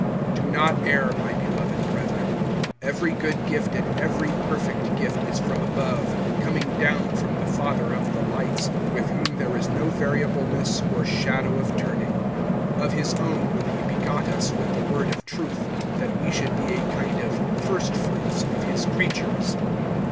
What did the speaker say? (16)Do not err, my beloved brethren. (17)Every good gift and every perfect gift is from above, coming down from the Father of the lights, with whom there is no variableness, or shadow of turning. (18)Of his own will he begot us with the word of truth, that we should be a kind of first fruits of his creatures.